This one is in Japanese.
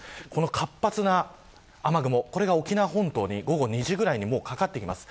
活発な雨雲、これが沖縄本島に午後２時くらいにかかってきます。